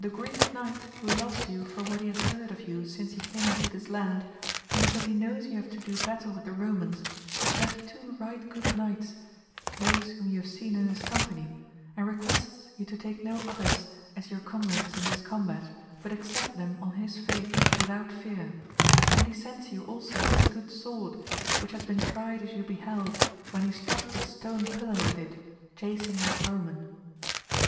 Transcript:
Greek Knight, who loves you for what he has heard of you since he came into this land, and because he knows you have to do battle with the BonoAns^ has left two right good AMADIS OF GAUL 53 knights, those whom you have seen in his company, and requests you to take no others as your comrades in this combat, but accept them on his faith without fear ; and he sends you also this good sword, which has been tried as you beheld, when he struck the stone pillar with it, chasing that Roman.